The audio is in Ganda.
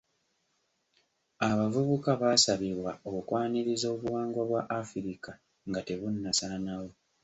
Abavubuka baasabibwa okwaniriza obuwangwa bwa Africa nga tebunnasaanawo.